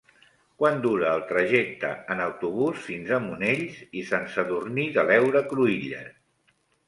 Quant dura el trajecte en autobús fins a Monells i Sant Sadurní de l'Heura Cruïlles?